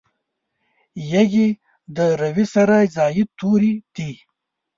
یږي د روي سره زاید توري دي.